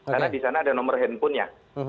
karena di sana ada nomor handphonenya